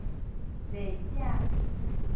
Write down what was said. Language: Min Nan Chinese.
賣者